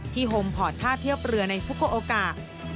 โฮมพอร์ตท่าเทียบเรือในฟุโกโอกา